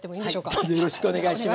はいどうぞよろしくお願いします。